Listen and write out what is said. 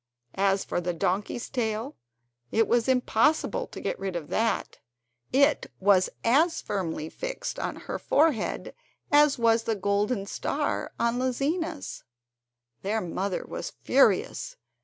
As for the donkey's tail, it was impossible to get rid of that; it was as firmly fixed on her forehead as was the golden star on Lizina's. Their mother was furious.